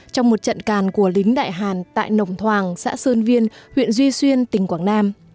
trong một trận càn của lính đại hàn tại nồng thoàng xã sơn viên huyện duy xuyên tỉnh quảng nam